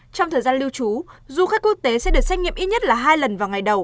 trong thời gian lưu trú du khách quốc tế sẽ được xét nghiệm ít nhất là hai lần vào ngày đầu